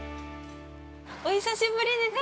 ◆お久しぶりですよね。